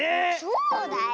そうだよ。